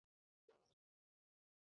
সে কি বর?